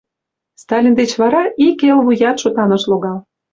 Сталин деч вара ик эл вуят шотан ыш логал.